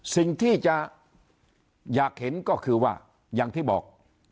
สิ่งที่จะอยากเห็นก็คือว่าอย่างที่บอก